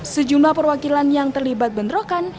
sejumlah perwakilan yang terlibat bentrokan